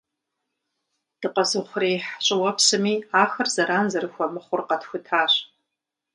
Дыкъэзыухъуреихь щIыуэпсми ахэр зэран зэрыхуэмыхъур къэтхутащ